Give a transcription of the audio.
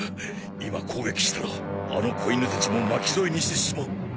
今攻撃したらあの小犬たちも巻き添えにしてしまう。